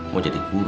mau jadi gugur